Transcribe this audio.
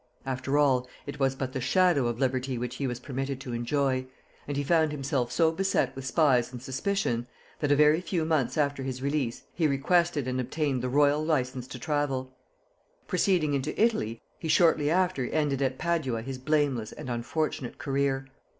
After all, it was but the shadow of liberty which he was permitted to enjoy; and he found himself so beset with spies and suspicion, that a very few months after his release he requested and obtained the royal license to travel. Proceeding into Italy, he shortly after ended at Padua his blameless and unfortunate career.